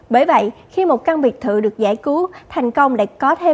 bởi vậy khi một căn biệt thự được giải cứu thành công lại có thêm